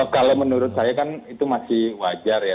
kalau menurut saya kan itu masih wajar ya